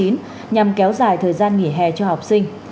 nhằm kéo dài thời gian nghỉ hè cho học sinh